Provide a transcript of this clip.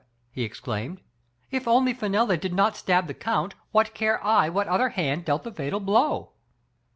he exclaimed, "if only Fenella did not stab the count, what care I what other hand dealt the fatal blow?